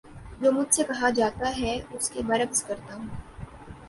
جو مجھ سے کہا جاتا ہے اس کے بر عکس کرتا ہوں